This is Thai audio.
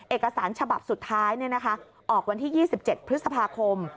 เอกสารฉบับสุดท้ายออกวันที่๒๗พฤษภาคม